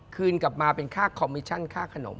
คืนกลับมาเป็นค่าคอมมิชชั่นค่าขนม